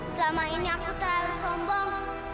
selama ini aku terlalu sombong